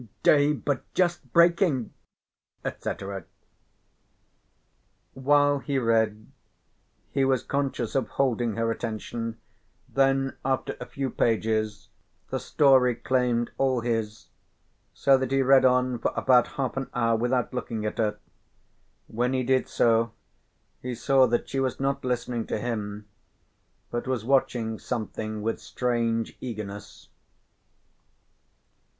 "Day but just breaking...." etc. While he read he was conscious of holding her attention, then after a few pages the story claimed all his, so that he read on for about half an hour without looking at her. When he did so he saw that she was not listening to him, but was watching something with strange eagerness.